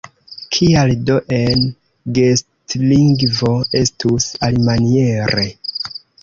Kial do en gestlingvo estus alimaniere?